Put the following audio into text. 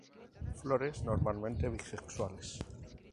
Flores normalmente bisexuales.